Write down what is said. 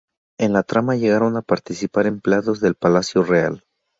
En la trama llegaron a participar empleados del Palacio Real.